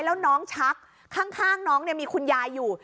แล้วน้องชักข้างน้องมีคุณยายอยู่